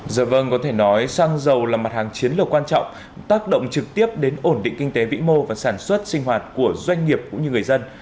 giờ vâng có thể nói xăng dầu là mặt hàng chiến lược quan trọng tác động trực tiếp đến ổn định kinh tế vĩ mô và sản xuất sinh hoạt của doanh nghiệp cũng như người dân